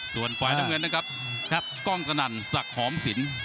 ส่วนไฟละเงินนะครับก้องตะนั่นศักดิ์หอมสิน